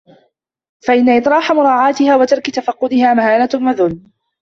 فَإِنَّ اطِّرَاحَ مُرَاعَاتِهَا وَتَرْكَ تَفَقُّدِهَا مَهَانَةٌ وَذُلٌّ